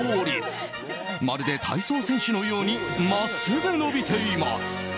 ［まるで体操選手のように真っすぐ伸びています］